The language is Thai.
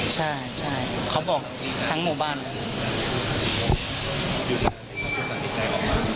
ใช่ใช่เขาบอกทั้งหมู่บ้านเลย